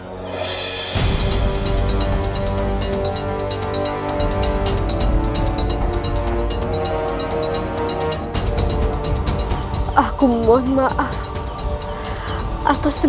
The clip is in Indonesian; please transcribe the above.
yang mengimati make